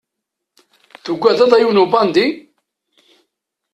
Tugadeḍ a yiwen ubandi!